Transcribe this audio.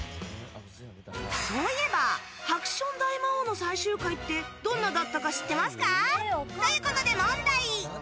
そういえば「ハクション大魔王」の最終回ってどんなだったか知っていますか？ということで、問題。